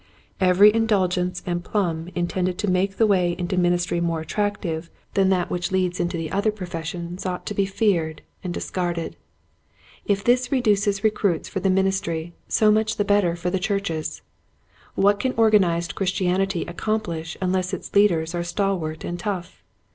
Every indulgence and plum in tended to make the way into the ministry more attractive than that which leads into The Man of Macedonia. 21 the other professions ought to be feared and discarded. If this reduces recruits for the ministry so much the better for the churches. What can organized Chris tianity accomplish unless its leaders are stalwart and tough?